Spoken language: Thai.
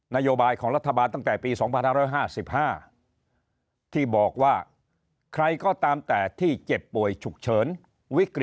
นโยบายของรัฐบาลตั้งแต่ปี๒๕๕๕ที่บอกว่าใครก็ตามแต่ที่เจ็บป่วยฉุกเฉินวิกฤต